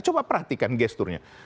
coba perhatikan gesturnya